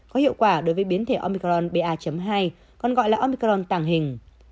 có hiệu quả đối với biến thể omicron ba hai còn gọi là omicron tàng hình